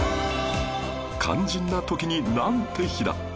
肝心な時になんて日だ！